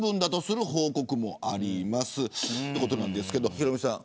ヒロミさん